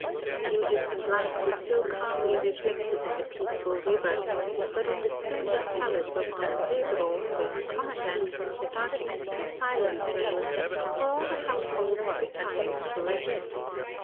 A few distant lights were still calmly reflected in the peaceful river; but in the splendid palace of Don Pedro, the Commandant, darkness and silence reigned, for all the household had retired to rest.